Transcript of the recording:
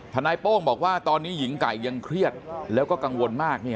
โป้งบอกว่าตอนนี้หญิงไก่ยังเครียดแล้วก็กังวลมาก